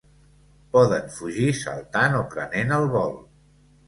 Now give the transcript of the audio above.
Poden fugir saltant o prenent el vol.